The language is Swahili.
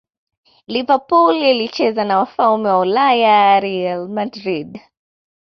liverpool ilicheza na wafalme wa ulaya real madrid